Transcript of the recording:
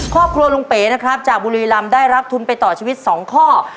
ครอบครัวลุงเป๋นะครับจากบุรีรำได้รับทุนไปต่อชีวิต๒ข้อ